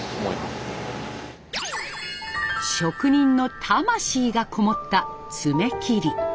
職人の魂がこもった爪切り。